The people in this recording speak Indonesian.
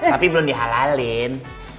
tapi belum dihalalin